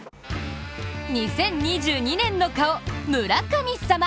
２０２２年の顔、村神様。